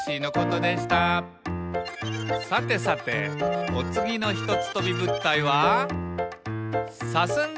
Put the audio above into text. さてさておつぎのひとつとびぶったいは？